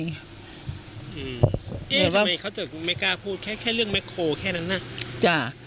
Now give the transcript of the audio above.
เอ๊ะทำไมเขาจะไม่กล้าพูดแค่เรื่องแม็กโครแค่นั้นนะ